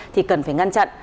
thì cần phải ngăn chặn